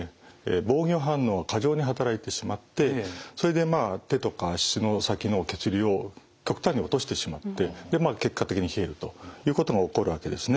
防御反応が過剰に働いてしまってそれでまあ手とか足の先の血流を極端に落としてしまって結果的に冷えるということが起こるわけですね。